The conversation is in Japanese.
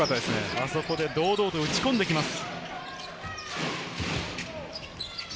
あそこで堂々と打ち込んできます。